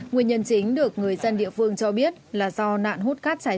nguyên nhân chính được người dân địa phương cho biết là do nạn hút cát trái phép